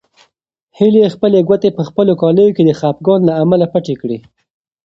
هیلې خپلې ګوتې په خپلو کالیو کې د خپګان له امله پټې کړې.